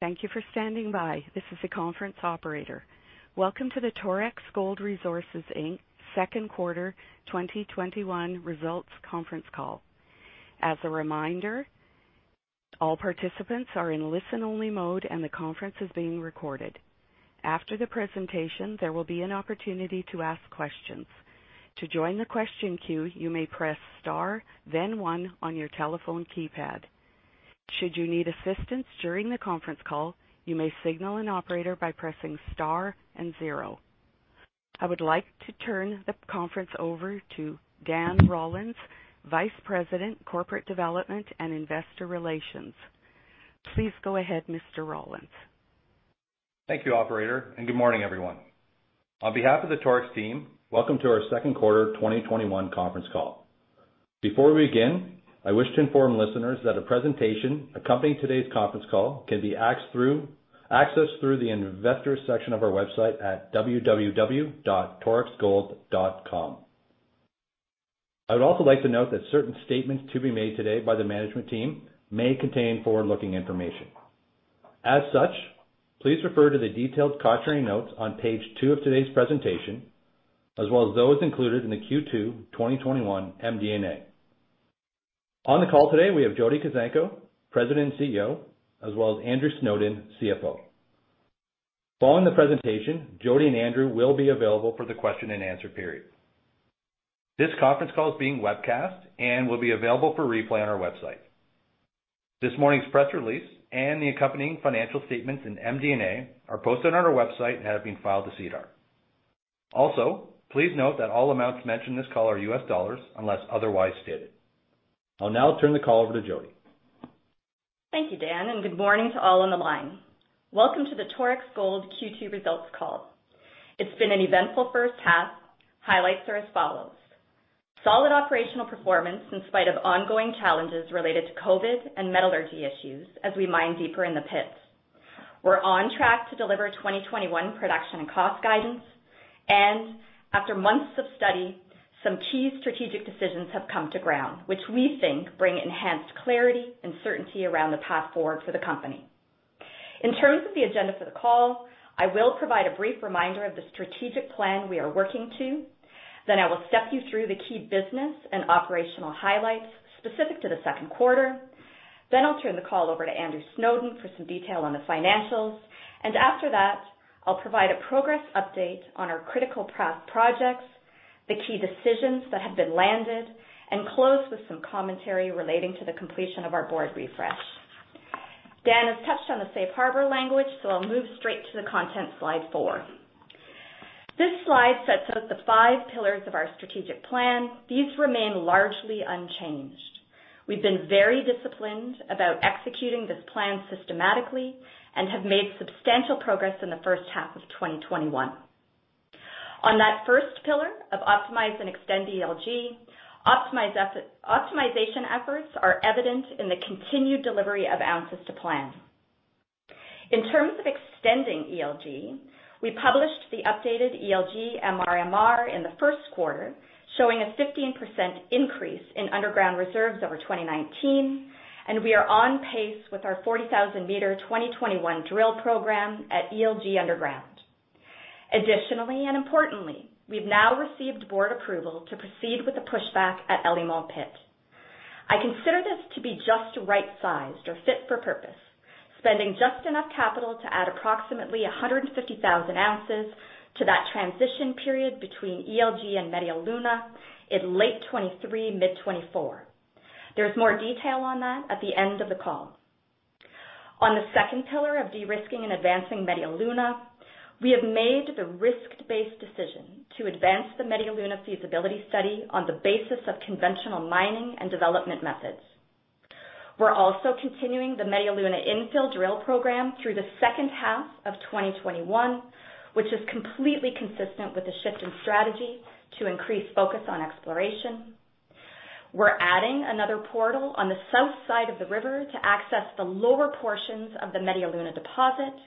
Thank you for standing by. This is the conference operator. Welcome to the Torex Gold Resources Inc second quarter 2021 results conference call. As a reminder, all participants are in listen-only mode, and the conference is being recorded. After the presentation, there will be an opportunity to ask questions. To join the question queue, you may press star then one on your telephone keypad. Should you need assistance during the conference call, you may signal an operator by pressing star and zero. I would like to turn the conference over to Dan Rollins, Vice President, Corporate Development and Investor Relations. Please go ahead, Mr. Rollins. Thank you, operator, and good morning, everyone. On behalf of the Torex team, welcome to our second quarter 2021 conference call. Before we begin, I wish to inform listeners that a presentation accompanying today's conference call can be accessed through the Investors section of our website at www.torexgold.com. I would also like to note that certain statements to be made today by the management team may contain forward-looking information. As such, please refer to the detailed cautionary notes on page two of today's presentation, as well as those included in the Q2 2021 MD&A. On the call today, we have Jody Kuzenko, President and CEO, as well as Andrew Snowden, CFO. Following the presentation, Jody and Andrew will be available for the question-and-answer period. This conference call is being webcast, and will be available for replay on our website. This morning's press release and the accompanying financial statements in MD&A are posted on our website and have been filed to SEDAR. Also, please note that all amounts mentioned in this call are U.S. dollars, unless otherwise stated. I'll now turn the call over to Jody. Thank you, Dan, and good morning to all on the line. Welcome to the Torex Gold Q2 results call. It's been an eventful first half. Highlights are as follows: solid operational performance in spite of ongoing challenges related to COVID and metallurgy issues as we mine deeper in the pits. We're on track to deliver 2021 production and cost guidance. After months of study, some key strategic decisions have come to ground, which we think bring enhanced clarity and certainty around the path forward for the company. In terms of the agenda for the call, I will provide a brief reminder of the strategic plan we are working to. Then, I will step you through the key business and operational highlights specific to the second quarter. I'll turn the call over to Andrew Snowden for some detail on the financials. After that, I'll provide a progress update on our critical path projects, the key decisions that have been landed, and close with some commentary relating to the completion of our Board refresh. Dan has touched on the safe harbor language, so I'll move straight to the content, slide four. This slide sets out the five pillars of our strategic plan. These remain largely unchanged. We've been very disciplined about executing this plan systematically and have made substantial progress in the first half of 2021. On that first pillar of optimize and extend ELG, optimization efforts are evident in the continued delivery of ounces to plan. In terms of extending ELG, we published the updated ELG MRMR in the first quarter, showing a 15% increase in underground reserves over 2019, and we are on pace with our 40,000-m 2021 drill program at ELG Underground. Additionally, and importantly, we've now received Board approval to proceed with the pushback at El Limón pit. I consider this to be just the right size or fit for purpose, spending just enough capital to add approximately 150,000 oz to that transition period between ELG and Media Luna in late 2023, mid-2024. There's more detail on that at the end of the call. On the second pillar of de-risking and advancing Media Luna, we have made the risk-based decision to advance the Media Luna feasibility study on the basis of conventional mining and development methods. We're also continuing the Media Luna infill drill program through the second half of 2021, which is completely consistent with the shift in strategy to increase focus on exploration. We're adding another portal on the south side of the river to access the lower portions of the Media Luna deposit.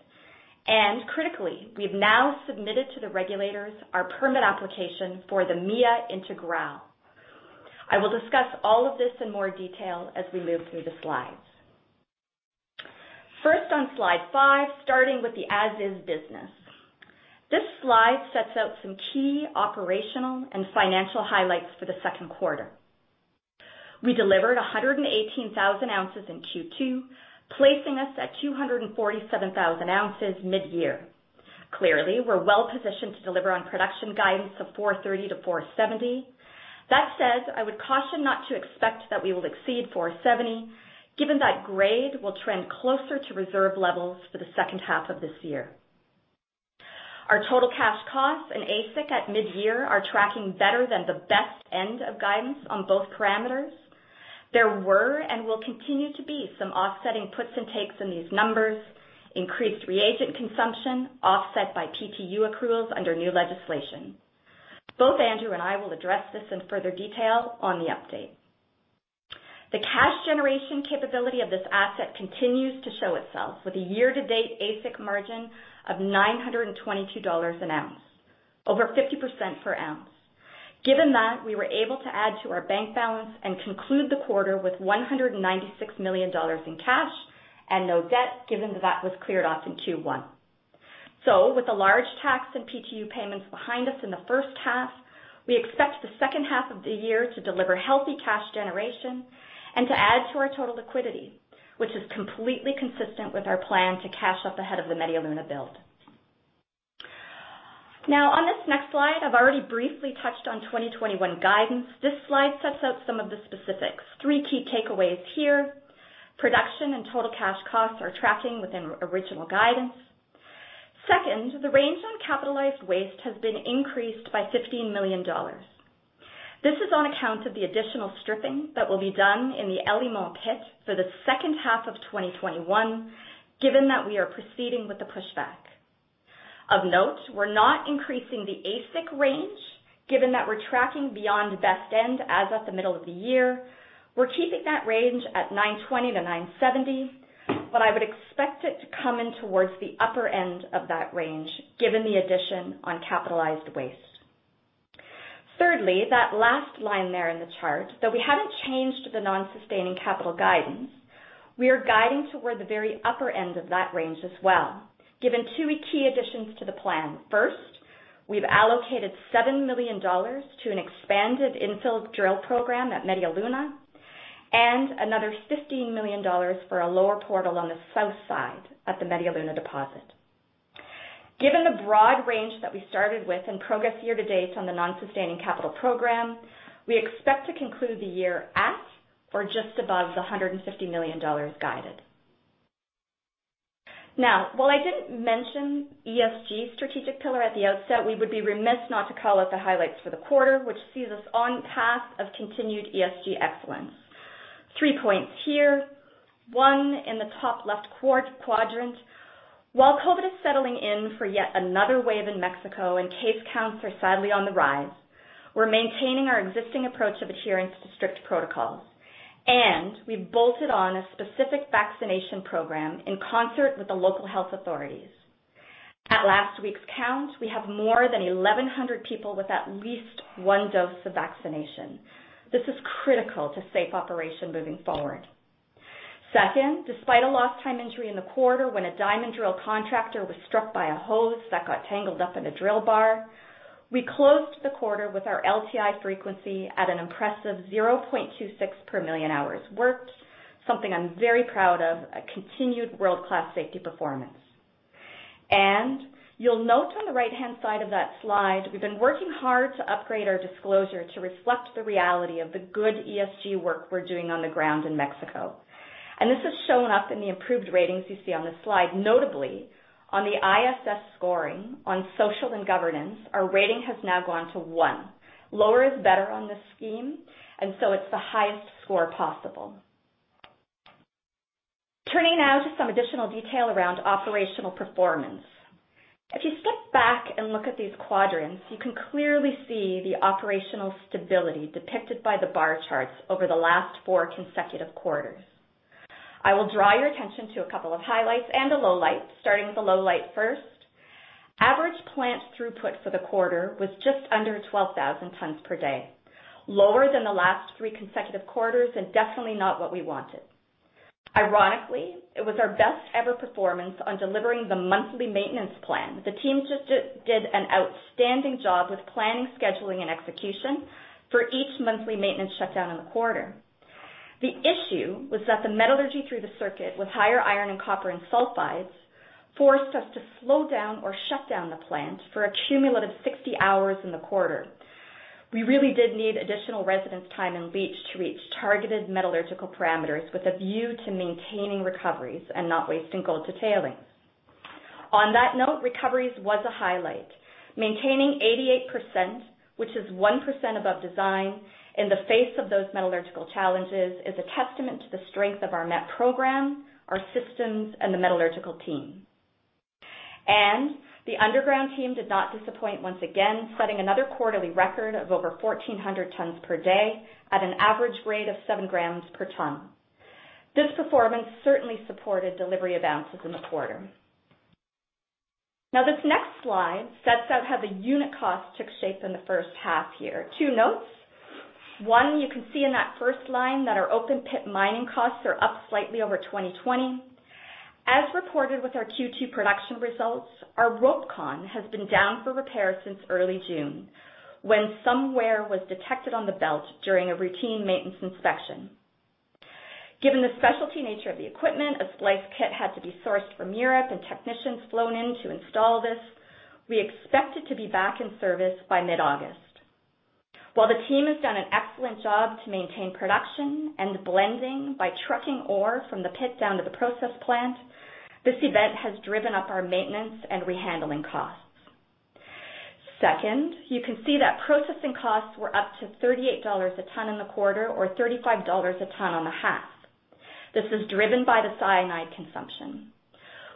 Critically, we've now submitted to the regulators our permit application for the MIA Integral. I will discuss all of this in more detail as we move through the slides. First, on slide five, starting with the as-is business. This slide sets out some key operational and financial highlights for the second quarter. We delivered 118,000 oz in Q2, placing us at 247,000 oz mid-year. Clearly, we're well-positioned to deliver on production guidance of 430,000 oz-470,000 oz. That said, I would caution not to expect that we will exceed 470,000 oz, given that grade will trend closer to reserve levels for the second half of this year. Our total cash costs and AISC at mid-year are tracking better than the best end of guidance on both parameters. There were and will continue to be some offsetting puts and takes in these numbers, increased reagent consumption offset by PTU accruals under new legislation. Both Andrew and I will address this in further detail on the update. The cash generation capability of this asset continues to show itself with a year-to-date AISC margin of $922 an ounce. Over 50% per ounce. Given that, we were able to add to our bank balance and conclude the quarter with $196 million in cash and no debt, given that was cleared off in Q1. With the large tax and PTU payments behind us in the first half, we expect the second half of the year to deliver healthy cash generation and to add to our total liquidity, which is completely consistent with our plan to cash up ahead of the Media Luna build. On this next slide, I've already briefly touched on 2021 guidance. This slide sets out some of the specifics. Three key takeaways here. Production and total cash costs are tracking within original guidance. Second, the range on capitalized waste has been increased by $15 million. This is on account of the additional stripping that will be done in the El Limón pit for the second half of 2021, given that we are proceeding with the pushback. Of note, we're not increasing the AISC range, given that we're tracking beyond best end as of the middle of the year. We're keeping that range at $920-$970 an ounce, but I would expect it to come in towards the upper end of that range, given the addition on capitalized waste. Thirdly, that last line there in the chart, though we haven't changed the non-sustaining capital guidance, we are guiding toward the very upper end of that range as well, given two key additions to the plan. First, we've allocated $7 million to an expanded infill drill program at Media Luna, and another $15 million for a lower portal on the south side of the Media Luna deposit. Given the broad range that we started with and progress year-to-date on the non-sustaining capital program, we expect to conclude the year at or just above the $150 million guided. While I didn't mention ESG strategic pillar at the outset, we would be remiss not to call out the highlights for the quarter, which sees us on path of continued ESG excellence. Three points here. One, in the top-left quadrant. While COVID is settling in for yet another wave in Mexico and case counts are sadly on the rise, we're maintaining our existing approach of adhering to strict protocols. We've bolted on a specific vaccination program in concert with the local health authorities. At last week's count, we have more than 1,100 people with at least one dose of vaccination. This is critical to safe operation moving forward. Second, despite a lost time injury in the quarter when a diamond drill contractor was struck by a hose that got tangled up in a drill bar, we closed the quarter with our LTI frequency at an impressive 0.26 per million hours worked. Something I'm very proud of, a continued world-class safety performance. You'll note on the right-hand side of that slide, we've been working hard to upgrade our disclosure to reflect the reality of the good ESG work we're doing on the ground in Mexico. This has shown up in the improved ratings you see on this slide. Notably on the ISS scoring, on social and governance, our rating has now gone to 1. Lower is better on this scheme, it's the highest score possible. Turning now to some additional detail around operational performance. If you step back and look at these quadrants, you can clearly see the operational stability depicted by the bar charts over the last four consecutive quarters. I will draw your attention to a couple of highlights and a lowlight, starting with the lowlight first. Average plant throughput for the quarter was just under 12,000 tons per day, lower than the last three consecutive quarters and definitely not what we wanted. Ironically, it was our best ever performance on delivering the monthly maintenance plan. The team just did an outstanding job with planning, scheduling, and execution for each monthly maintenance shutdown in the quarter. The issue was that the metallurgy through the circuit with higher iron and copper and sulfides forced us to slow down or shut down the plant for a cumulative 60 hours in the quarter. We really did need additional residence time in leach to reach targeted metallurgical parameters with a view to maintaining recoveries and not wasting gold to tailings. On that note, recoveries was a highlight. Maintaining 88%, which is 1% above design, in the face of those metallurgical challenges is a testament to the strength of our met program, our systems, and the metallurgical team. The underground team did not disappoint once again, setting another quarterly record of over 1,400 tons per day at an average grade of 7 g per ton. This performance certainly supported delivery of ounces in the quarter. This next slide sets out how the unit cost took shape in the first half year. Two notes. One, you can see in that first line that our open pit mining costs are up slightly over 2020. As reported with our Q2 production results, our RopeCon has been down for repair since early June, when some wear was detected on the belt during a routine maintenance inspection. Given the specialty nature of the equipment, a splice kit had to be sourced from Europe and technicians flown in to install this. We expect it to be back in service by mid-August. While the team has done an excellent job to maintain production and blending by trucking ore from the pit down to the process plant, this event has driven up our maintenance and rehandling costs. Second, you can see that processing costs were up to $38 a ton in the quarter or $35 a ton on the half. This is driven by the cyanide consumption.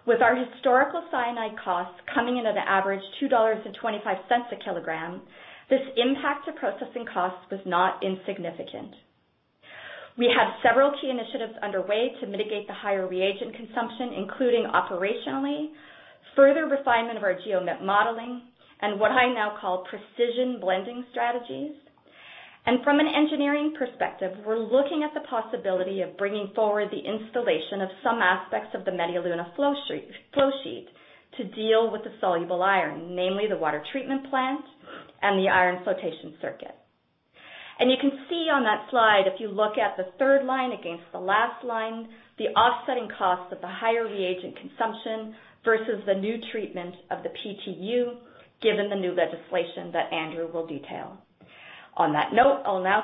With our historical cyanide costs coming in at an average $2.25 a kilogram, this impact to processing costs was not insignificant. We have several key initiatives underway to mitigate the higher reagent consumption, including operationally, further refinement of our geomodeling, and what I now call precision blending strategies. From an engineering perspective, we're looking at the possibility of bringing forward the installation of some aspects of the Media Luna flow sheet to deal with the soluble iron, namely the water treatment plant and the iron flotation circuit. You can see on that slide, if you look at the third line against the last line, the offsetting costs of the higher reagent consumption versus the new treatment of the PTU, given the new legislation that Andrew will detail. On that note, I'll now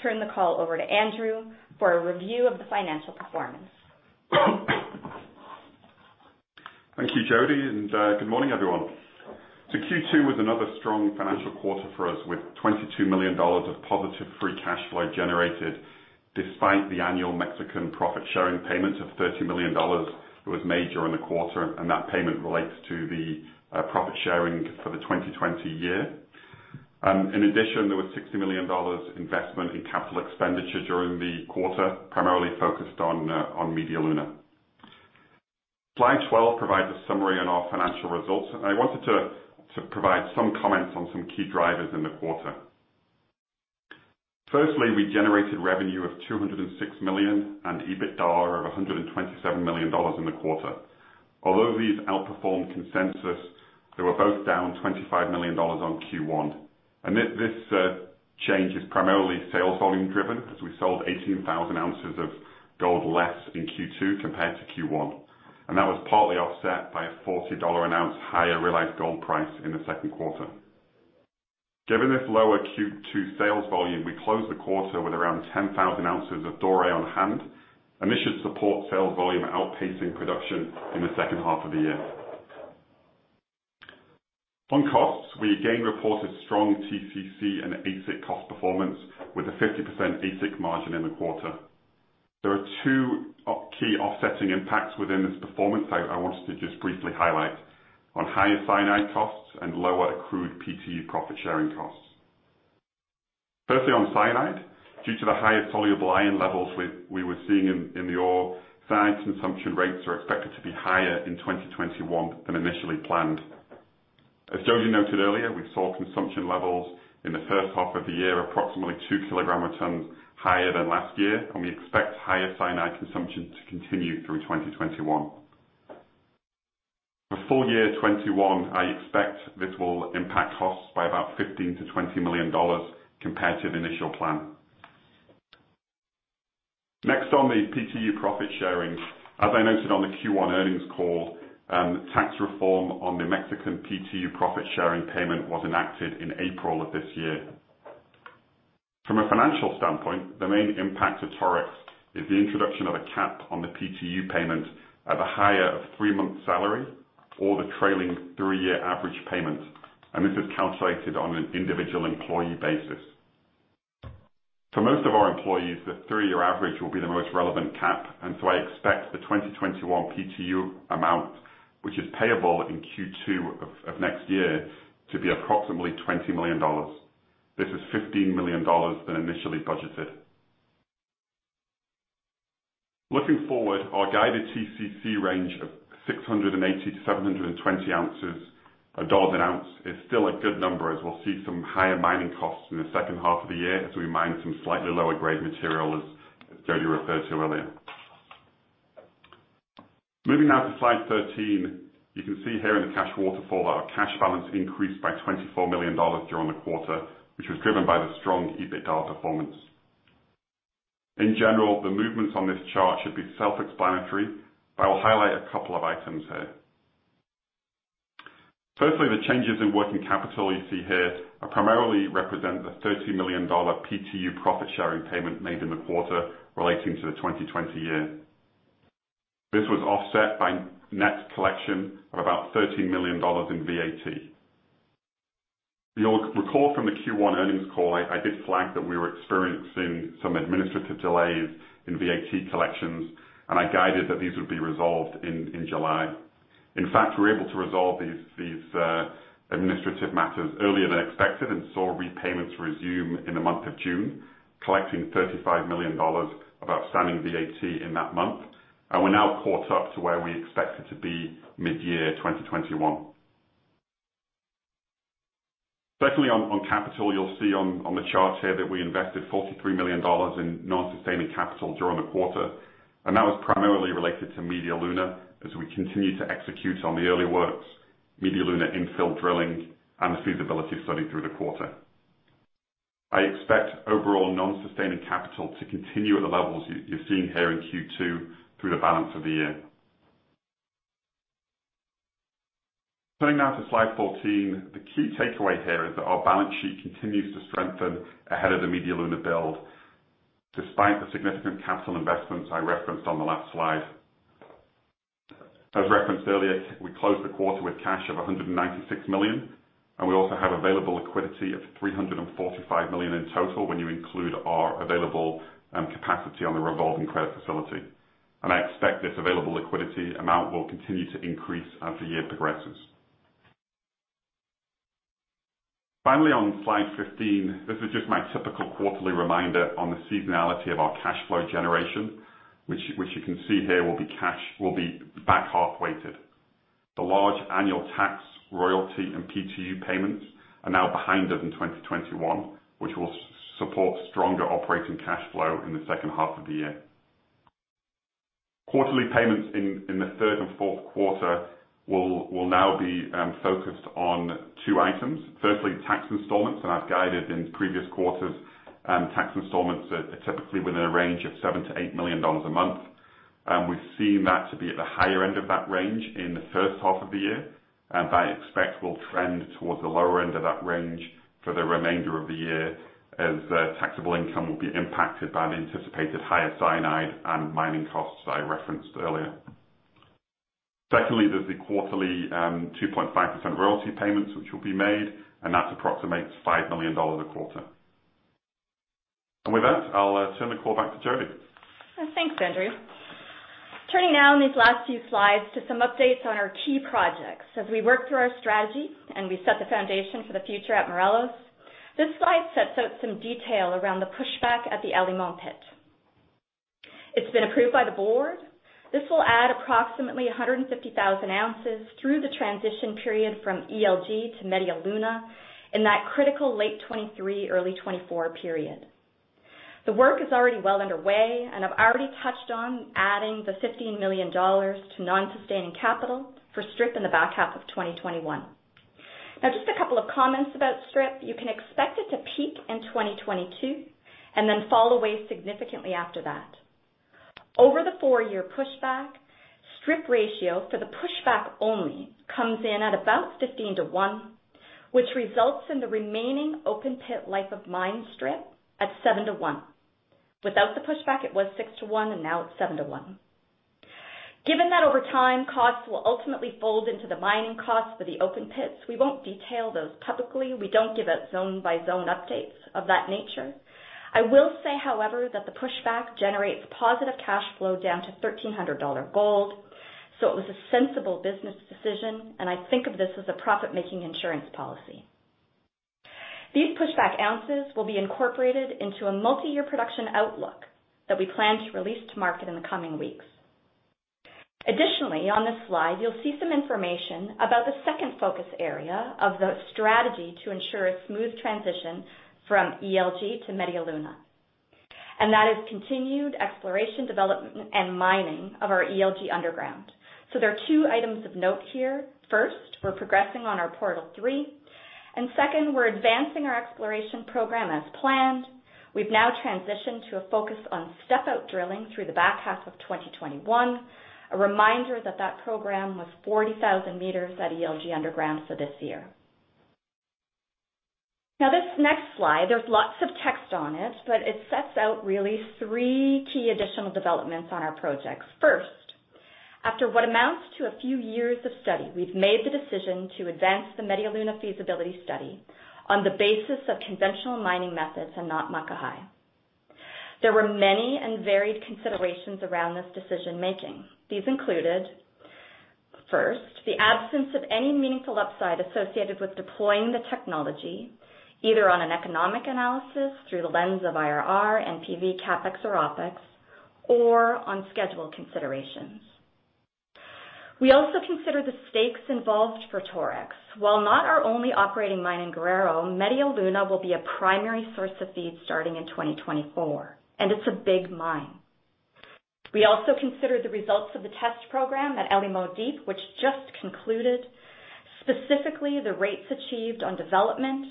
turn the call over to Andrew for a review of the financial performance. Thank you, Jody. Good morning, everyone. Q2 was another strong financial quarter for us, with $22 million of positive free cash flow generated despite the annual Mexican profit-sharing payment of $30 million that was made during the quarter. That payment relates to the profit sharing for the 2020 year. In addition, there was $60 million investment in capital expenditure during the quarter, primarily focused on Media Luna. Slide 12 provides a summary on our financial results. I wanted to provide some comments on some key drivers in the quarter. Firstly, we generated revenue of $206 million and EBITDA of $127 million in the quarter. Although these outperformed consensus, they were both down $25 million on Q1. This change is primarily sales volume driven, as we sold 18,000 oz of gold less in Q2 compared to Q1. That was partly offset by a $40 an ounce higher realized gold price in the second quarter. Given this lower Q2 sales volume, we closed the quarter with around 10,000 oz of doré on hand, and this should support sales volume outpacing production in the second half of the year. On costs, we again reported strong TCC and AISC cost performance with a 50% AISC margin in the quarter. There are two key offsetting impacts within this performance I wanted to just briefly highlight, on higher cyanide costs and lower accrued PTU profit-sharing costs. Firstly, on cyanide. Due to the higher soluble iron levels we were seeing in the ore, cyanide consumption rates are expected to be higher in 2021 than initially planned. As Jody noted earlier, we saw consumption levels in the first half of the year approximately 2 kg a ton higher than last year, and we expect higher cyanide consumption to continue through 2021. For full-year 2021, I expect this will impact costs by about $15 million-$20 million compared to the initial plan. Next on the PTU profit sharing. As I noted on the Q1 earnings call, the tax reform on the Mexican PTU profit-sharing payment was enacted in April of this year. From a financial standpoint, the main impact to Torex is the introduction of a cap on the PTU payment at the higher of three-month salary or the trailing three-year average payment, and this is calculated on an individual employee basis. For most of our employees, the three-year average will be the most relevant cap. I expect the 2021 PTU amount, which is payable in Q2 of next year, to be approximately $20 million. This is $15 million than initially budgeted. Looking forward, our guided TCC range of $680-$720 an ounce is still a good number, as we'll see some higher mining costs in the second half of the year as we mine some slightly lower grade material, as Jody referred to earlier. Moving now to slide 13. You can see here in the cash waterfall that our cash balance increased by $24 million during the quarter, which was driven by the strong EBITDA performance. In general, the movements on this chart should be self-explanatory, but I will highlight a couple of items here. Both the changes in working capital you see here primarily represent the $30 million PTU profit-sharing payment made in the quarter relating to the 2020 year. This was offset by net collection of about $13 million in VAT. You'll recall from the Q1 earnings call, I did flag that we were experiencing some administrative delays in VAT collections. I guided that these would be resolved in July. In fact, we were able to resolve these administrative matters earlier than expected and saw repayments resume in the month of June, collecting $35 million of outstanding VAT in that month. We're now caught up to where we expected to be mid-year 2021. On capital, you'll see on the chart here that we invested $43 million in non-sustaining capital during the quarter. That was primarily related to Media Luna as we continue to execute on the early works, Media Luna infill drilling, and the feasibility study through the quarter. I expect overall non-sustaining capital to continue at the levels you're seeing here in Q2 through the balance of the year. Turning now to slide 14, the key takeaway here is that our balance sheet continues to strengthen ahead of the Media Luna build, despite the significant capital investments I referenced on the last slide. As referenced earlier, we closed the quarter with cash of $196 million, and we also have available liquidity of $345 million in total when you include our available capacity on the revolving credit facility. I expect this available liquidity amount will continue to increase as the year progresses. Finally, on slide 15, this is just my typical quarterly reminder on the seasonality of our cash flow generation, which you can see here will be back half-weighted. The large annual tax, royalty, and PTU payments are now behind us in 2021, which will support stronger operating cash flow in the second half of the year. Quarterly payments in the third and fourth quarter will now be focused on two items. Firstly, tax installments, and I've guided in previous quarters, tax installments are typically within a range of $7 million-$8 million a month. We've seen that to be at the higher end of that range in the first half of the year. I expect will trend towards the lower end of that range for the remainder of the year as taxable income will be impacted by the anticipated higher cyanide and mining costs that I referenced earlier. Secondly, there's the quarterly 2.5% royalty payments which will be made, and that approximates $5 million a quarter. With that, I'll turn the call back to Jody. Thanks, Andrew. Turning now in these last few slides to some updates on our key projects. As we work through our strategy and we set the foundation for the future at Morelos, this slide sets out some detail around the pushback at the El Limón pit. It’s been approved by the Board. This will add approximately 150,000 oz through the transition period from ELG to Media Luna in that critical late 2023, early 2024 period. The work is already well underway. I’ve already touched on adding the $15 million to non-sustaining capital for strip in the back half of 2021. Now, just a couple of comments about strip. You can expect it to peak in 2022 and then fall away significantly after that. Over the four-year pushback, strip ratio for the pushback only comes in at about 15:1, which results in the remaining open-pit life of mine strip at 7:1. Without the pushback, it was 6:1, and now it's 7:1. Given that over time, costs will ultimately fold into the mining costs for the open pits, we won't detail those publicly. We don't give out zone-by-zone updates of that nature. I will say, however, that the pushback generates positive cash flow down to $1,300 gold, so it was a sensible business decision. I think of this as a profit-making insurance policy. These pushback ounces will be incorporated into a multi-year production outlook that we plan to release to market in the coming weeks. Additionally, on this slide, you'll see some information about the second focus area of the strategy to ensure a smooth transition from ELG to Media Luna. That is continued exploration, development, and mining of our ELG Underground. There are two items of note here. First, we're progressing on our Portal 3. Second, we're advancing our exploration program as planned. We've now transitioned to a focus on step-out drilling through the back half of 2021. A reminder that that program was 40,000 m at ELG Underground for this year. This next slide, there's lots of text on it. It sets out really three key additional developments on our projects. First, after what amounts to a few years of study, we've made the decision to advance the Media Luna feasibility study on the basis of conventional mining methods and not Muckahi. There were many and varied considerations around this decision-making. These included, first, the absence of any meaningful upside associated with deploying the technology, either on an economic analysis through the lens of IRR, NPV, CapEx or OpEx, or on schedule considerations. We also consider the stakes involved for Torex. While not our only operating mine in Guerrero, Media Luna will be a primary source of feed starting in 2024. It's a big mine. We also considered the results of the test program at El Limón Deep, which just concluded, specifically the rates achieved on development,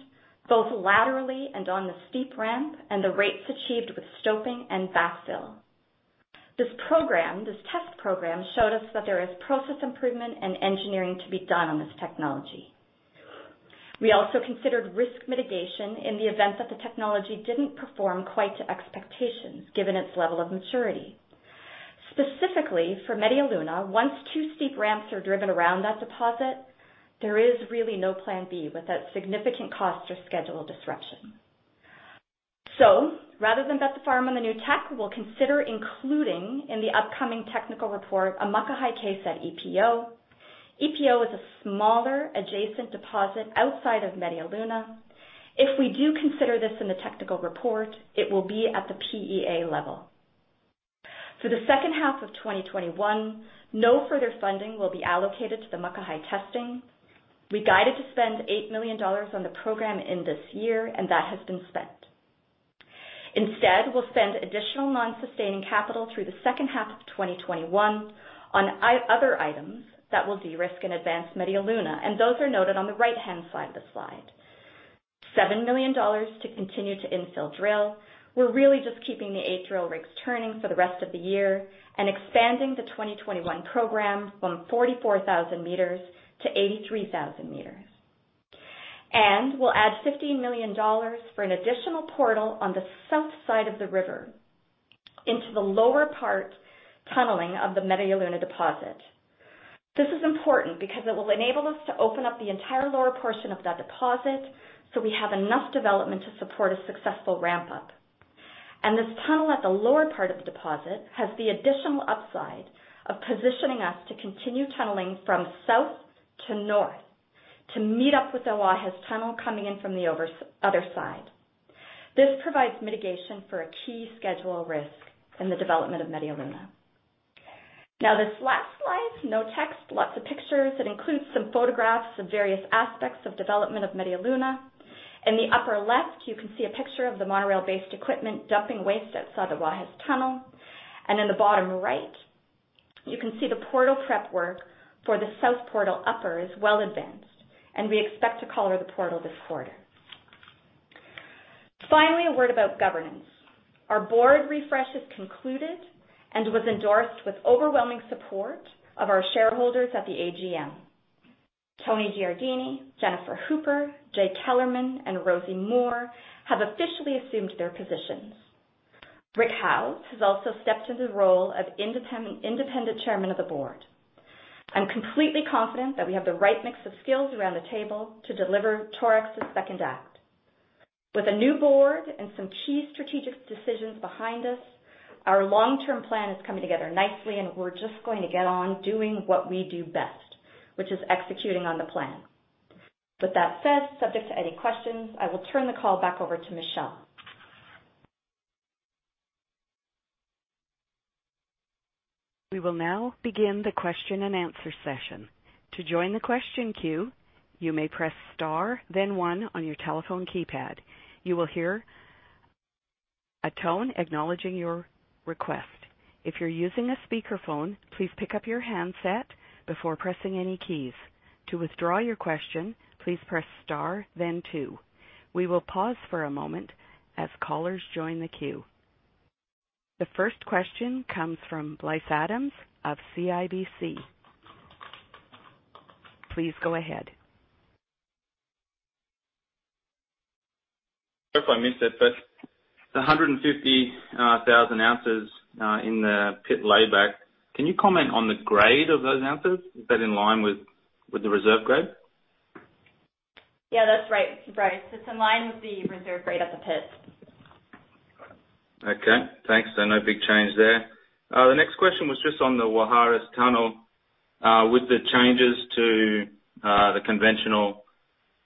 both laterally and on the steep ramp, and the rates achieved with stoping and backfill. This test program showed us that there is process improvement and engineering to be done on this technology. We also considered risk mitigation in the event that the technology didn't perform quite to expectations given its level of maturity. Specifically for Media Luna, once two steep ramps are driven around that deposit, there is really no plan B without significant cost or schedule disruption. Rather than bet the farm on the new tech, we'll consider including in the upcoming technical report a Muckahi case at EPO. EPO is a smaller adjacent deposit outside of Media Luna. If we do consider this in the technical report, it will be at the PEA level. For the second half of 2021, no further funding will be allocated to the Muckahi testing. We guided to spend $8 million on the program in this year, and that has been spent. Instead, we'll spend additional non-sustaining capital through the second half of 2021 on other items that will de-risk and advance Media Luna, and those are noted on the right-hand side of the slide. $7 million to continue to infill drill. We're really just keeping the eight drill rigs turning for the rest of the year and expanding the 2021 program from 44,000 m to 83,000 m. We'll add $15 million for an additional portal on the south side of the river into the lower part tunneling of the Media Luna deposit. This is important because it will enable us to open up the entire lower portion of that deposit so we have enough development to support a successful ramp-up. This tunnel at the lower part of the deposit has the additional upside of positioning us to continue tunneling from south to north to meet up with the Guajes Tunnel coming in from the other side. This provides mitigation for a key schedule risk in the development of Media Luna. This last slide, no text, lots of pictures. It includes some photographs of various aspects of development of Media Luna. In the upper left, you can see a picture of the monorail-based equipment dumping waste outside the Guajes Tunnel. In the bottom right, you can see the portal prep work for the South Portal Upper is well advanced, and we expect to collar the portal this quarter. Finally, a word about governance. Our Board refresh is concluded and was endorsed with overwhelming support of our shareholders at the AGM. Tony Giardini, Jennifer Hooper, Jay Kellerman, and Rosie Moore have officially assumed their positions. Rick Howes has also stepped into the role of Independent Chairman of the Board. I'm completely confident that we have the right mix of skills around the table to deliver Torex's second act. With a new Board and some key strategic decisions behind us, our long-term plan is coming together nicely. We're just going to get on doing what we do best, which is executing on the plan. With that said, subject to any questions, I will turn the call back over to Michelle. We will now begin the question-and-answer session. To join the question queue, you may press star then one on your telephone keypad. You will hear a tone acknowledging your request. If you are using a speakerphone, please pick up your handset before pressing any keys. To withdraw your question, please press star then two. Will pause for a moment as caller's join the queue. The first question comes from Bryce Adams of CIBC. Please go ahead. If I missed it, the 150,000 oz in the pit layback. Can you comment on the grade of those ounces? Is that in line with the reserve grade? Yeah, that's right, Bryce. It's in line with the reserve grade at the pit. Okay, thanks. No big change there. The next question was just on the Guajes Tunnel. With the changes to the conventional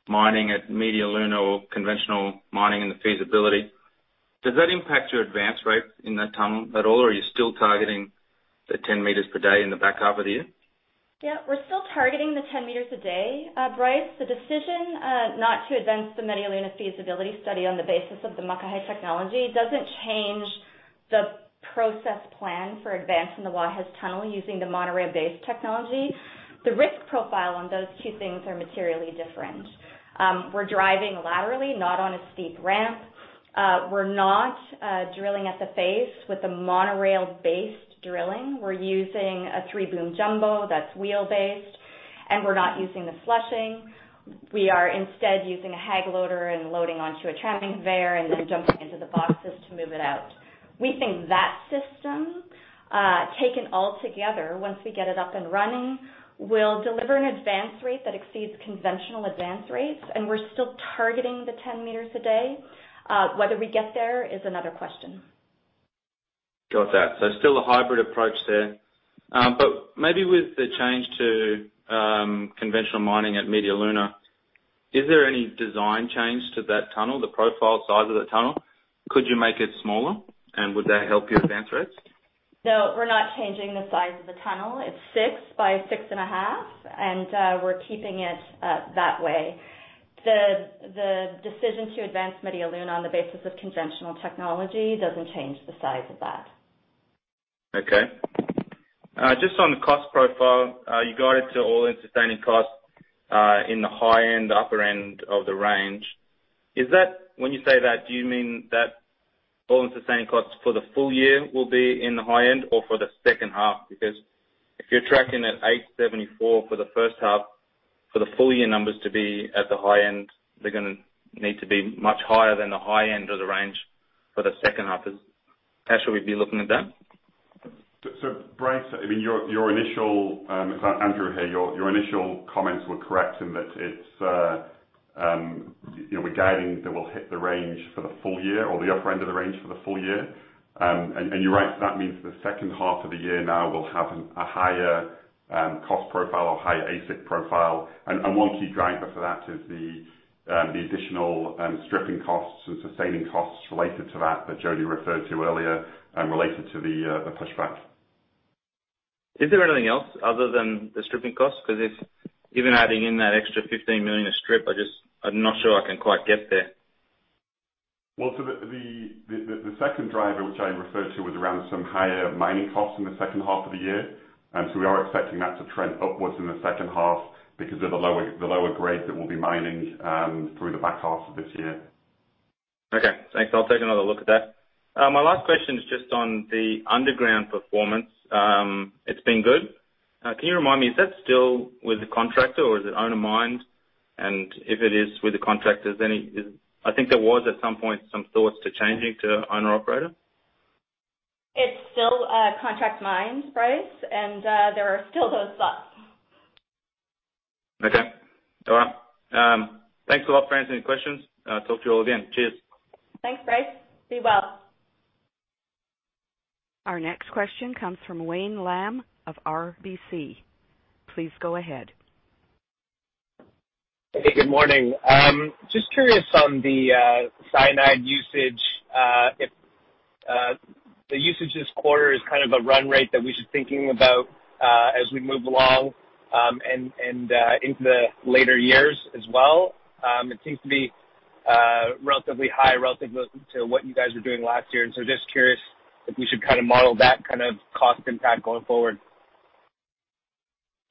mining at Media Luna or conventional mining and the feasibility, does that impact your advance rate in that tunnel at all, or are you still targeting the 10 m per day in the back half of the year? Yeah, we're still targeting the 10 m a day, Bryce. The decision not to advance the Media Luna feasibility study on the basis of the Muckahi technology doesn't change the process plan for advancing the Guajes Tunnel using the monorail-based technology. The risk profile on those two things are materially different. We're driving laterally, not on a steep ramp. We're not drilling at the face with the monorail-based drilling. We're using a three-boom jumbo that's wheel based, and we're not using the flushing. We are instead using a Häggloader and loading onto a conveying there and then jumping into the boxes to move it out. We think that system, taken all together, once we get it up and running, will deliver an advance rate that exceeds conventional advance rates. We're still targeting the 10 m a day. Whether we get there is another question. Got that. Still a hybrid approach there. Maybe with the change to conventional mining at Media Luna, is there any design change to that tunnel, the profile size of the tunnel? Could you make it smaller, and would that help your advance rates? No, we're not changing the size of the tunnel. It's 6 m by 6.5 m, and we're keeping it that way. The decision to advance Media Luna on the basis of conventional technology doesn't change the size of that. Okay. Just on the cost profile, you guided to all-in sustaining costs in the high end, upper end of the range. When you say that, do you mean that all-in sustaining costs for the full year will be in the high end or for the second half? Because if you're tracking at $874 for the first half, for the full year numbers to be at the high end, they're gonna need to be much higher than the high end of the range for the second half. How should we be looking at that? Bryce, it's Andrew here. Your initial comments were correct in that we're guiding that we'll hit the range for the full year, or the upper end of the range for the full year. You're right, that means the second half of the year now will have a higher cost profile or higher AISC profile. One key driver for that is the additional stripping costs and sustaining costs related to that Jody referred to earlier, related to the pushback. Is there anything else other than the stripping costs? If even adding in that extra $15 million of strip, I'm not sure I can quite get there. Well, the second driver which I referred to was around some higher mining costs in the second half of the year. We are expecting that to trend upwards in the second half because of the lower grade that we'll be mining through the back half of this year. Okay, thanks. I'll take another look at that. My last question is just on the underground performance. It's been good. Can you remind me, is that still with the contractor or is it owner mined? If it is with the contractors, I think there was, at some point, some thoughts to changing to owner operator. It's still a contract mine, Bryce, and there are still those thoughts. Okay. All right. Thanks a lot for answering questions. Talk to you all again. Cheers. Thanks, Bryce. Be well. Our next question comes from Wayne Lam of RBC. Please go ahead. Hey, good morning. Just curious on the cyanide usage, if the usage this quarter is kind of a run rate that we should thinking about as we move along and into the later years as well. It seems to be relatively high relative to what you guys were doing last year, and so just curious if we should model that kind of cost impact going forward?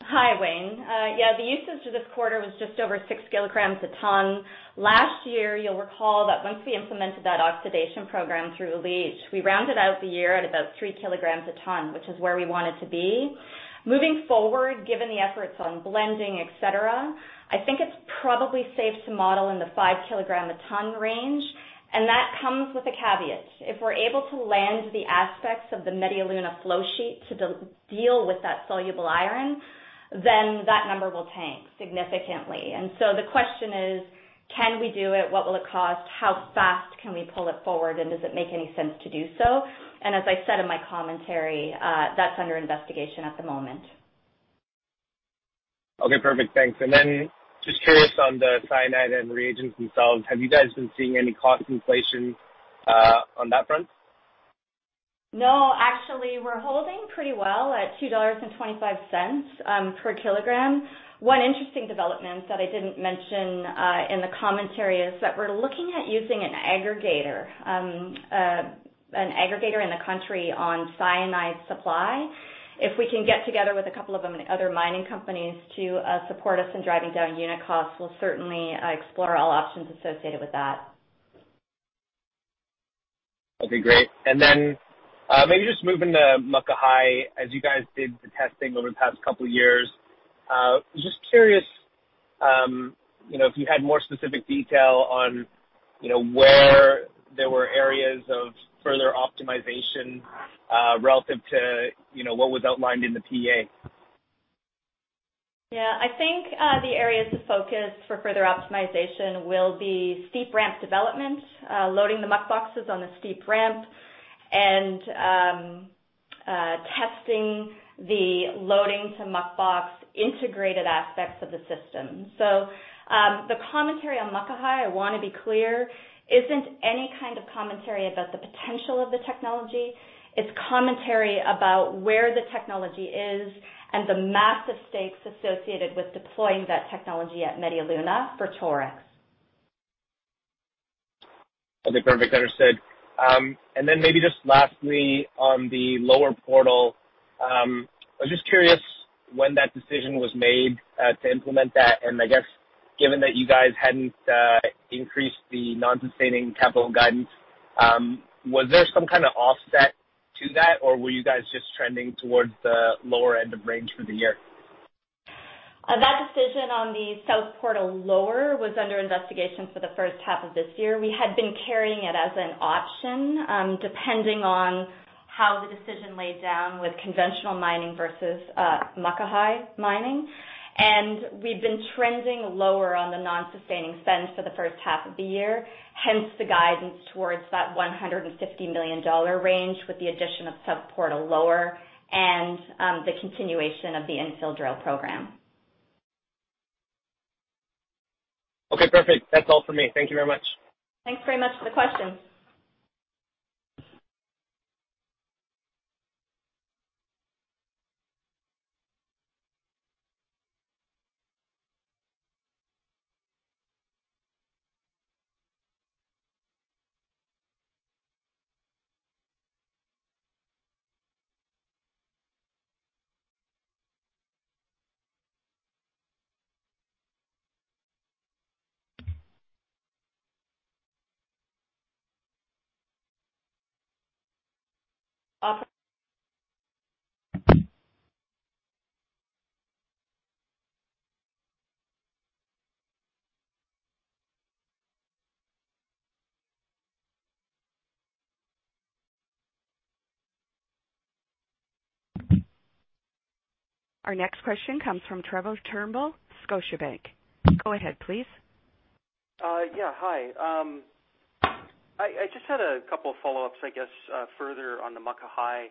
Hi, Wayne. Yeah, the usage for this quarter was just over 6 kg a tonne. Last year, you'll recall that once we implemented that oxidation program through leach, we rounded out the year at about 3 kg a tonne, which is where we wanted to be. Moving forward, given the efforts on blending, et cetera, I think it's probably safe to model in the 5 kg a tonne range. That comes with a caveat. If we're able to land the aspects of the Media Luna flow sheet to deal with that soluble iron, that number will tank significantly. The question is, can we do it? What will it cost? How fast can we pull it forward? Does it make any sense to do so? As I said in my commentary, that's under investigation at the moment. Okay, perfect. Thanks. Just curious on the cyanide and reagents themselves, have you guys been seeing any cost inflation on that front? No, actually, we're holding pretty well at $2.25 per kilogram. One interesting development that I didn't mention in the commentary is that we're looking at using an aggregator in the country on cyanide supply. If we can get together with a couple of other mining companies to support us in driving down unit costs, we'll certainly explore all options associated with that. Okay, great. Maybe just moving to Muckahi, as you guys did the testing over the past couple of years. Just curious if you had more specific detail on where there were areas of further optimization relative to what was outlined in the PEA? I think the areas of focus for further optimization will be steep ramp development, loading the muck boxes on the steep ramp and testing the loading to muck box integrated aspects of the system. The commentary on Muckahi, I want to be clear, isn't any kind of commentary about the potential of the technology. It's commentary about where the technology is, and the massive stakes associated with deploying that technology at Media Luna for Torex. Okay, perfect. Understood. Then maybe just lastly on the lower portal, I was just curious when that decision was made to implement that? I guess given that you guys hadn't increased the non-sustaining capital guidance, was there some kind of offset to that, or were you guys just trending towards the lower end of range for the year? That decision on the South Portal Lower was under investigation for the first half of this year. We had been carrying it as an option, depending on how the decision laid down with conventional mining versus Muckahi mining. We've been trending lower on the non-sustaining spends for the first half of the year, hence the guidance towards that $150 million range with the addition of South Portal Lower and the continuation of the infill drill program. Okay, perfect. That's all for me. Thank you very much. Thanks very much for the question. Our next question comes from Trevor Turnbull, Scotiabank. Go ahead, please. Yeah, hi. I just had a couple of follow-ups, I guess, further on the Muckahi.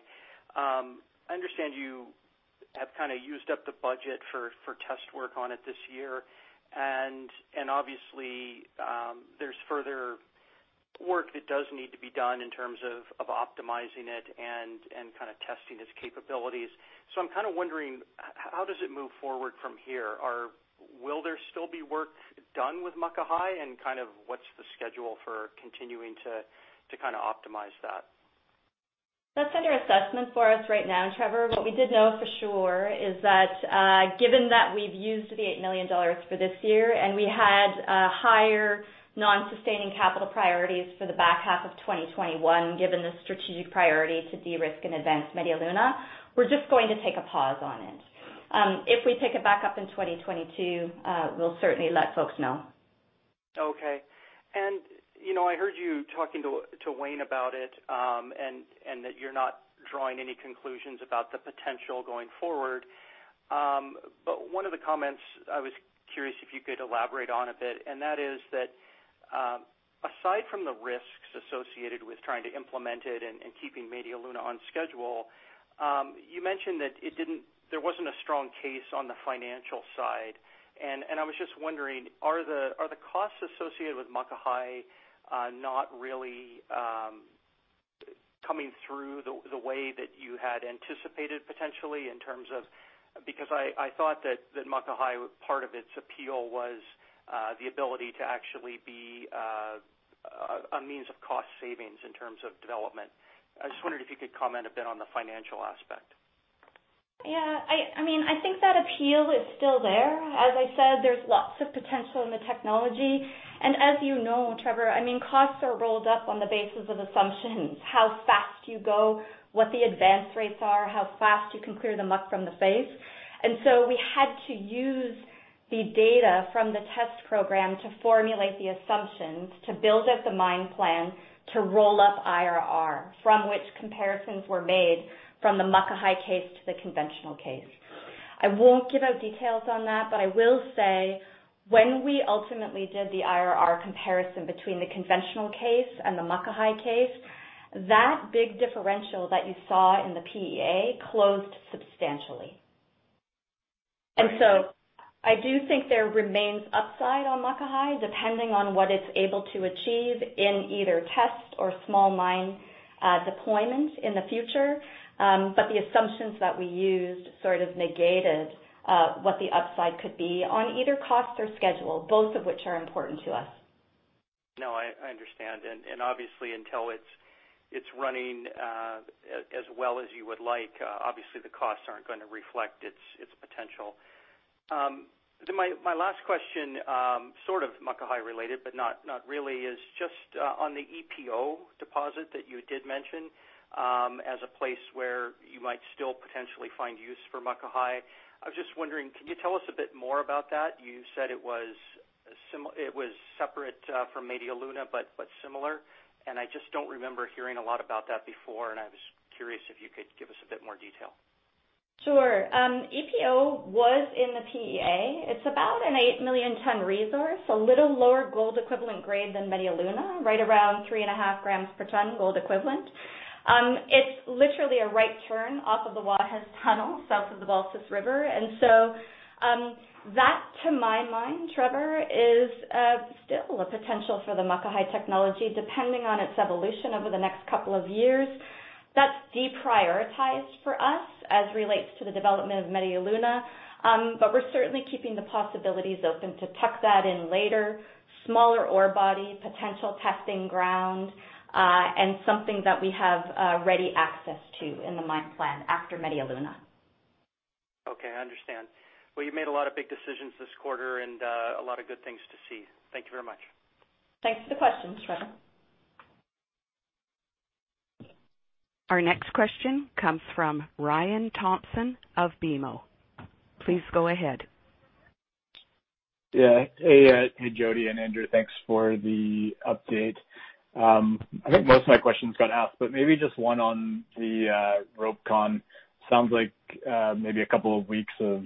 I understand you have kind of used up the budget for test work on it this year. Obviously, there's further work that does need to be done in terms of optimizing it and kind of testing its capabilities. I'm kind of wondering how does it move forward from here? Will there still be work done with Muckahi, and kind of what's the schedule for continuing to kind of optimize that? That's under assessment for us right now, Trevor. What we did know for sure is that given that we've used the $8 million for this year, and we had higher non-sustaining capital priorities for the back half of 2021, given the strategic priority to de-risk and advance Media Luna, we're just going to take a pause on it. If we pick it back up in 2022, we'll certainly let folks know. Okay. I heard you talking to Wayne about it, and that you're not drawing any conclusions about the potential going forward. One of the comments I was curious if you could elaborate on a bit, and that is that, aside from the risks associated with trying to implement it and keeping Media Luna on schedule, you mentioned that there wasn't a strong case on the financial side. I was just wondering, are the costs associated with Muckahi not really coming through the way that you had anticipated, potentially, in terms of... Because I thought that Muckahi, part of its appeal was the ability to actually be a means of cost savings in terms of development. I just wondered if you could comment a bit on the financial aspect? Yeah. I think that appeal is still there. As I said, there's lots of potential in the technology. As you know, Trevor, costs are rolled up on the basis of assumptions, how fast you go, what the advance rates are, how fast you can clear the muck from the face. We had to use the data from the test program to formulate the assumptions, to build out the mine plan, to roll up IRR, from which comparisons were made from the Muckahi case to the conventional case. I won't give out details on that, but I will say, when we ultimately did the IRR comparison between the conventional case and the Muckahi case, that big differential that you saw in the PEA closed substantially. I do think there remains upside on Muckahi, depending on what it's able to achieve in either test or small mine deployment in the future. The assumptions that we used sort of negated what the upside could be on either cost or schedule, both of which are important to us. No, I understand. Obviously, until it's running as well as you would like, obviously the costs aren't going to reflect its potential. My last question, sort of Muckahi-related, but not really. Is just on the EPO deposit that you did mention, as a place where you might still potentially find use for Muckahi. I was just wondering, can you tell us a bit more about that? You said it was separate from Media Luna, but similar. I just don't remember hearing a lot about that before, and I was curious if you could give us a bit more detail. Sure. EPO was in the PEA. It's about an 8 million ton resource, a little lower gold equivalent grade than Media Luna, right around 3.5 g per ton gold equivalent. That to my mind, Trevor, is still a potential for the Muckahi technology, depending on its evolution over the next couple of years. That's deprioritized for us as relates to the development of Media Luna. We're certainly keeping the possibilities open to tuck that in later, smaller ore body, potential testing ground, and something that we have ready access to in the mine plan after Media Luna. Okay, I understand. Well, you made a lot of big decisions this quarter and a lot of good things to see. Thank you very much. Thanks for the question, Trevor. Our next question comes from Ryan Thompson of BMO. Please go ahead. Hey, Jody and Andrew. Thanks for the update. I think most of my questions got asked, maybe just one on the RopeCon. Sounds like maybe a couple of weeks of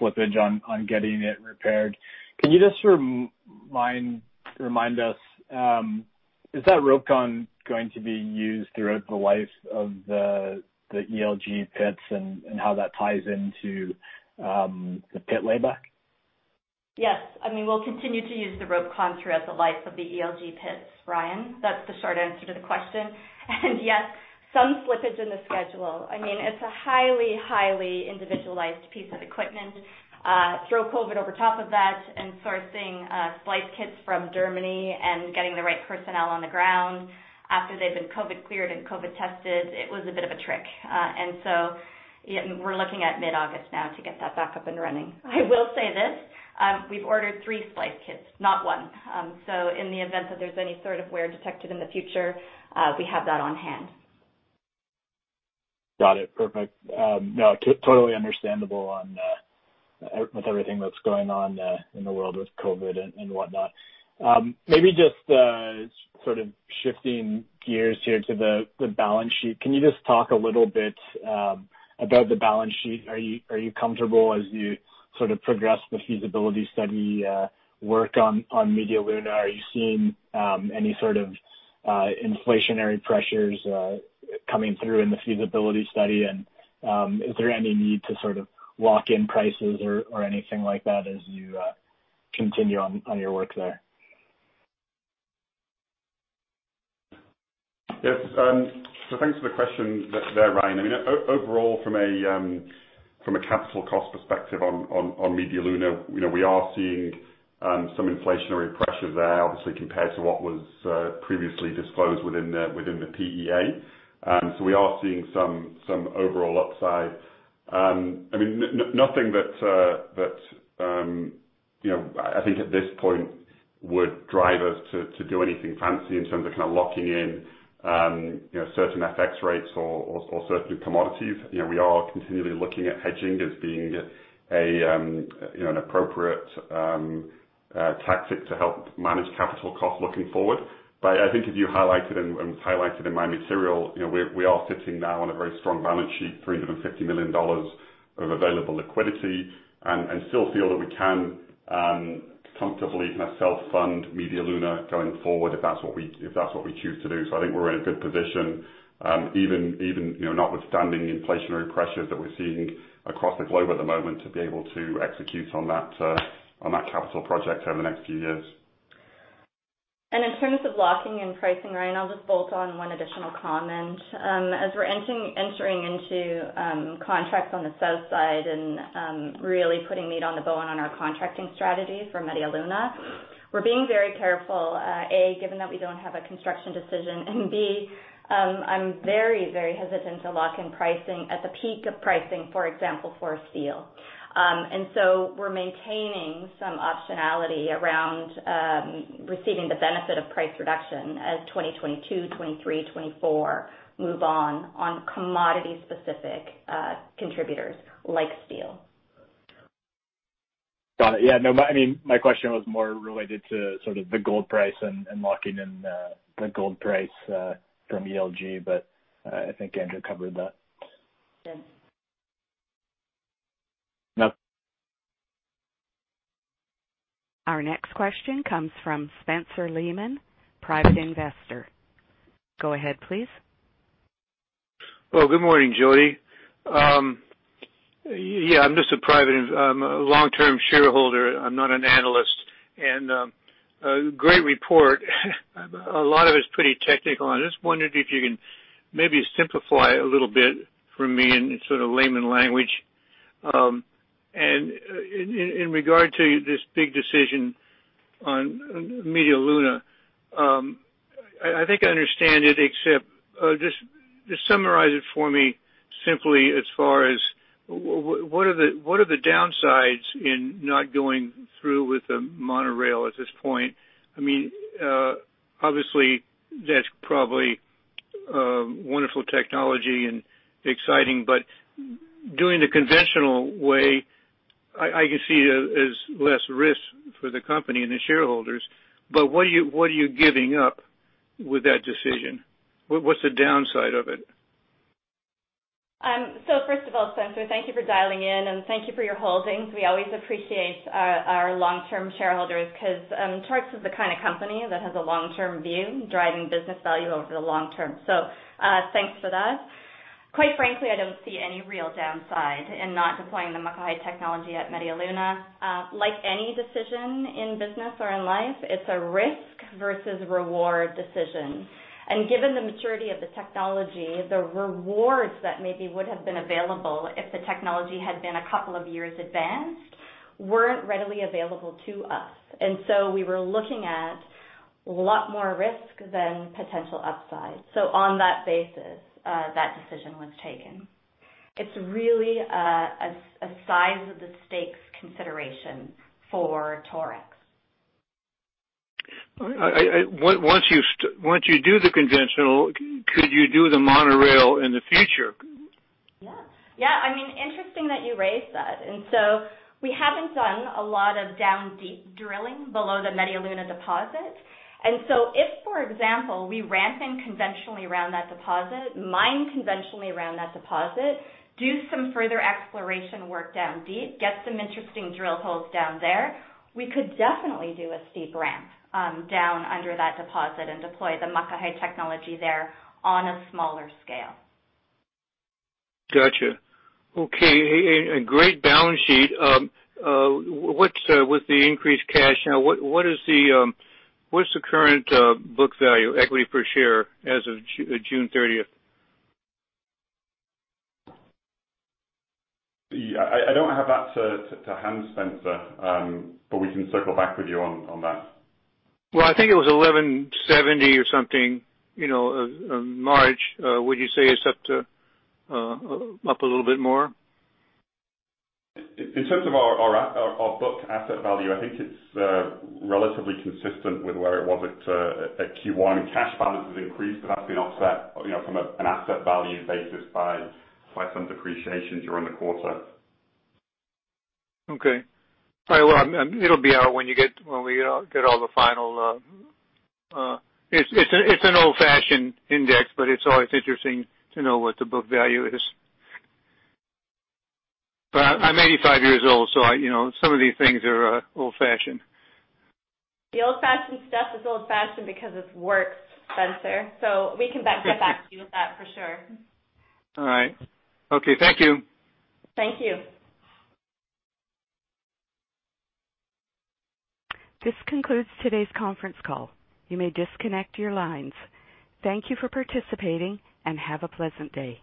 slippage on getting it repaired. Can you just remind us, is that RopeCon going to be used throughout the life of the ELG pits and how that ties into the pit layback? Yes. We'll continue to use the RopeCon throughout the life of the ELG pits, Ryan. That's the short answer to the question. Yes, some slippage in the schedule. It's a highly individualized piece of equipment. Throw COVID over top of that and sourcing splice kits from Germany and getting the right personnel on the ground after they've been COVID cleared and COVID tested, it was a bit of a trick. We're looking at mid-August now to get that back up and running. I will say this, we've ordered three splice kits, not one. In the event that there's any sort of wear detected in the future, we have that on hand. Got it. Perfect. No, totally understandable with everything that's going on in the world with COVID and whatnot. Maybe just sort of shifting gears here to the balance sheet. Can you just talk a little bit about the balance sheet? Are you comfortable as you progress the feasibility study work on Media Luna? Are you seeing any sort of inflationary pressures coming through in the feasibility study? Is there any need to lock in prices or anything like that as you continue on your work there? Yes. Thanks for the question there, Ryan. Overall from a capital cost perspective on Media Luna, we are seeing some inflationary pressure there, obviously, compared to what was previously disclosed within the PEA. We are seeing some overall upside. Nothing that I think at this point would drive us to do anything fancy in terms of locking in certain FX rates or certain commodities. We are continually looking at hedging as being an appropriate tactic to help manage capital costs looking forward. I think as you highlighted and was highlighted in my material, we are sitting now on a very strong balance sheet, $350 million of available liquidity and still feel that we can comfortably kind of self-fund Media Luna going forward, if that's what we choose to do. I think we're in a good position. Even notwithstanding inflationary pressures that we're seeing across the globe at the moment, to be able to execute on that capital project over the next few years. In terms of locking in pricing, Ryan, I'll just bolt on one additional comment. As we're entering into contracts on the south side and really putting meat on the bone on our contracting strategy for Media Luna, we're being very careful. A, given that we don't have a construction decision. B, I'm very hesitant to lock in pricing at the peak of pricing, for example, for steel. We're maintaining some optionality around receiving the benefit of price reduction as 2022, 2023, 2024 move on commodity specific contributors like steel. Got it. Yeah, no, my question was more related to sort of the gold price and locking in the gold price from ELG, but I think Andrew covered that. Sure. Yep. Our next question comes from Spencer Lehman, Private Investor. Go ahead, please. Well, good morning, Jody. Yeah, I'm just a private, long-term shareholder. I'm not an analyst. Great report. A lot of it's pretty technical, and I just wondered if you can maybe simplify a little bit for me in sort of layman language. In regard to this big decision on Media Luna, I think I understand it, except just summarize it for me simply as far as what are the downsides in not going through with the monorail at this point? Obviously, that's probably wonderful technology and exciting, but doing the conventional way, I can see it as less risk for the company and the shareholders. What are you giving up with that decision? What's the downside of it? First of all, Spencer, thank you for dialing in, and thank you for your holdings. We always appreciate our long-term shareholders because Torex is the kind of company that has a long-term view, driving business value over the long term. Thanks for that. Quite frankly, I don't see any real downside in not deploying the Muckahi technology at Media Luna. Like any decision in business or in life, it's a risk versus reward decision. Given the maturity of the technology, the rewards that maybe would have been available if the technology had been a couple of years advanced weren't readily available to us. We were looking at a lot more risk than potential upside. On that basis, that decision was taken. It's really a size of the stakes consideration for Torex. Once you do the conventional, could you do the monorail in the future? Yeah. Interesting that you raised that. We haven't done a lot of down-deep drilling below the Media Luna deposit. If, for example, we ramp in conventionally around that deposit, mine conventionally around that deposit, do some further exploration work down deep, get some interesting drill holes down there, we could definitely do a steep ramp down under that deposit and deploy the Muckahi technology there on a smaller scale. Got you. Okay. A great balance sheet. With the increased cash, what's the current book value equity per share as of June 30th? I don't have that to hand, Spencer, but we can circle back with you on that. Well, I think it was $11.70 or something in March. Would you say it's up a little bit more? In terms of our book asset value, I think it's relatively consistent with where it was at Q1. Cash balance has increased, but that's been offset from an asset value basis by some depreciation during the quarter. Okay. It'll be out when we get all the final. It's an old-fashioned index, but it's always interesting to know what the book value is. I'm 85 years old, so some of these things are old-fashioned. The old-fashioned stuff is old-fashioned because it works, Spencer. We can get back to you with that for sure. All right. Okay. Thank you. Thank you. This concludes today's conference call. You may disconnect your lines. Thank you for participating, and have a pleasant day.